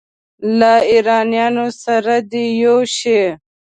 له ایرانیانو سره دې یو شي.